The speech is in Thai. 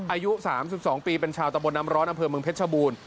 อายุ๓๒ปีเป็นชาวตะบนน้ำร้อนอำเภอเมืองเพชรชบูรณ์